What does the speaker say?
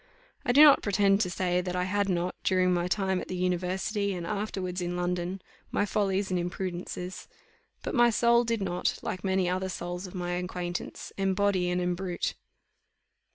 I do not pretend to say that I had not, during my time at the university, and afterwards in London, my follies and imprudences; but my soul did not, like many other souls of my acquaintance, "embody and embrute."